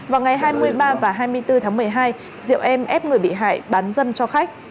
vào ngày hai mươi ba và hai mươi bốn tháng một mươi hai diệu em ép người bị hại bán dâm cho khách